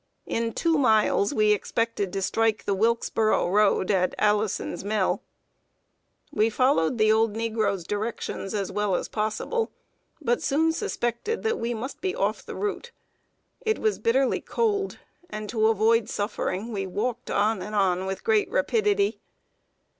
In two miles we expected to strike the Wilkesboro road, at Allison's Mill. We followed the old negro's directions as well as possible, but soon suspected that we must be off the route. It was bitterly cold, and to avoid suffering we walked on and on with great rapidity.